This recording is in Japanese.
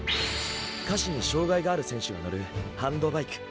下肢に障がいがある選手が乗るハンドバイク。